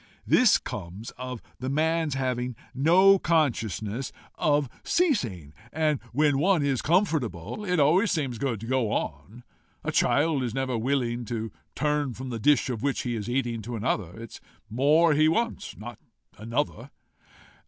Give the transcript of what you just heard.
This comes of the man's having no consciousness of ceasing, and when one is comfortable, it always seems good to go on. A child is never willing to turn from the dish of which he is eating to another. It is more he wants, not another."